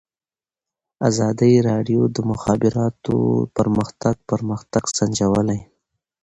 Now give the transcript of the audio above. ازادي راډیو د د مخابراتو پرمختګ پرمختګ سنجولی.